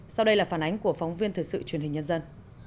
sau đây là phản ánh của phóng viên thời sự truyền hình nhân dân